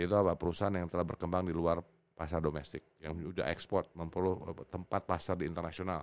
itu apa perusahaan yang telah berkembang di luar pasar domestik yang sudah ekspor memperoleh tempat pasar di internasional